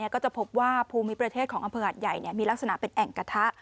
ก็จะพบว่าภูมิประเทศของอำเภอหัดใหญ่มีลักษณะเป็นแอ่งกระทะ